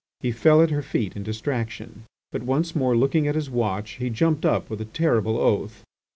He fell at her feet in distraction, but once more looking at his watch, he jumped up with a terrible oath.